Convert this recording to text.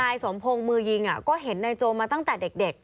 นายสมพงศ์มือยิงก็เห็นนายโจมาตั้งแต่เด็ก